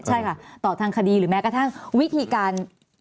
ใช่ค่ะต่อทางคดีหรือแม้กระทั่งวิธีการ